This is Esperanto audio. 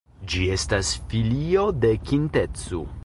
Ĝi estas filio de Kintetsu.